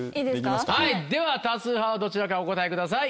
では多数派はどちらかお答えください。